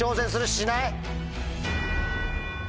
しない？